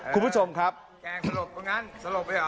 คุณผู้ชมครับแกงสลบตรงนั้นสลบไปเหรอ